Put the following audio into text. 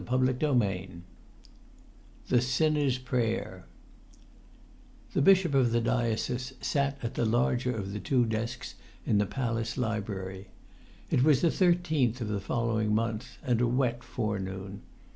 [Pg 66] VII THE SINNER'S PRAYER The bishop of the diocese sat at the larger of the two desks in the palace library. It was the thirteenth of the following month, and a wet forenoon.